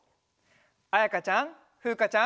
あやかちゃんふうかちゃん。